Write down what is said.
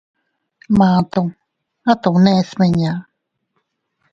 Matuu ¿A tomne smiña?